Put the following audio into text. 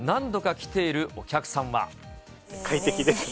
快適ですね。